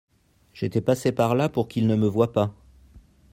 J'étais passé par là pour qu'il ne me voit pas.